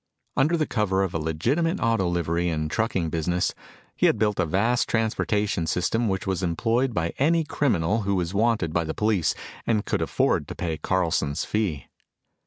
Under the cover of a legitimate auto livery and trucking business, he had built a vast transportation system which was employed by any criminal who was wanted by the police and could afford to pay Carlson's fee.